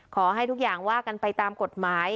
ขอให้ทุกอย่างว่ากันไปตามกฎหมาย